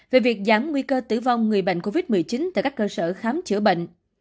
về việc giảm nguy cơ tử vong người bệnh covid một mươi chín tại các cơ sở khám chữa bệnh